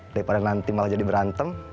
daripada nanti malah jadi berantem